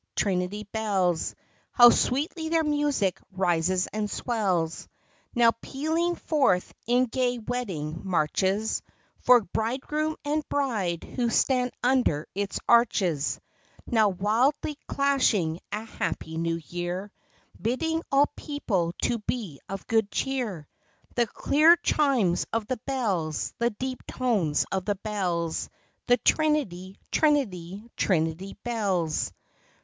Trinity Bells! How sweetly their music rises and swells, Now pealing forth in gay wedding marches For bridegroom and bride who stand under its arches, Now wildly clashing a Happy New Year, Bidding all people to be of good cheer; — The clear chimes of the bells, The deep tones of the bells, The Trinity, Trinity, Trinity Bells!